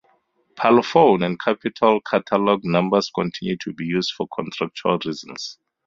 Parlophone and Capitol catalogue numbers continued to be used for contractual reasons.